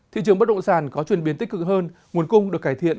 thị trường bất động sản có chuyển biến tích cực hơn nguồn cung được cải thiện